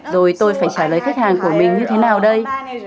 rồi tôi phải trả lời khách hàng của mình như thế nào đây